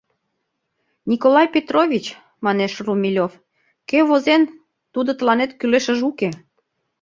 — Николай Петрович, — манеш Румелёв, — кӧ возен, тудо тыланет кӱлешыже уке.